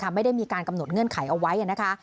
ไม่ได้มีการกำหนดเงื่อนไขเอาไว้นะคะ